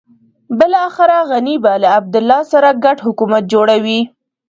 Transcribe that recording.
بلاخره غني به له عبدالله سره ګډ حکومت جوړوي.